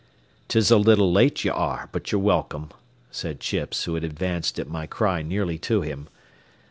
"'Tis a little late ye are, but ye're welcome," said Chips, who had advanced at my cry nearly to him.